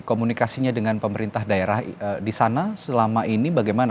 komunikasinya dengan pemerintah daerah di sana selama ini bagaimana